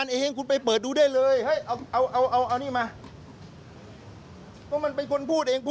ที่บอกว่ามีนักการเมือง